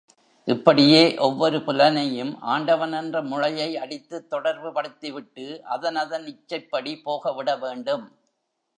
இப்படியே ஒவ்வொரு புலனையும் ஆண்டவன் என்ற முளையை அடித்துத் தொடர்புபடுத்திவிட்டு அதனதன் இச்சைப்படி போக விட வேண்டும்.